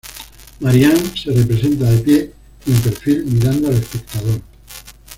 Marie-Anne se representa de pie y en perfil mirando al espectador.